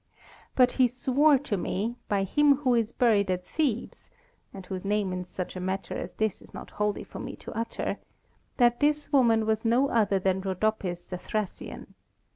But he swore to me, by him who is buried at Thebes (and whose name in such a matter as this it is not holy for me to utter), that this woman was no other than Rhodopis the Thracian.